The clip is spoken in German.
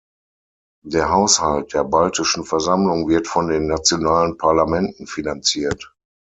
Der Haushalt der Baltischen Versammlung wird von den nationalen Parlamenten finanziert.